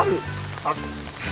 あっ。